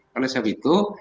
kalau sehabis itu